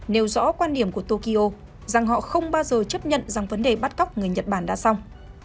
nêu rõ quan điểm của tokyo rằng họ không bao giờ chấp nhận rằng vấn đề bắt cóc người nhật bản đã xong